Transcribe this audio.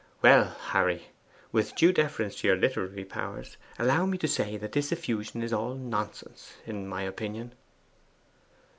Well, Harry, with due deference to your literary powers, allow me to say that this effusion is all nonsense, in my opinion.